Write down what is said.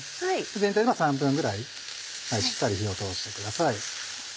全体で３分ぐらいしっかり火を通してください。